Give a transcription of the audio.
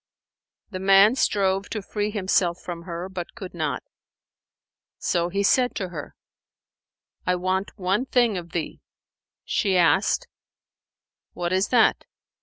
The man strove to free himself from her, but could not; so he said to her, "I want one thing of thee." She asked, "What is that?"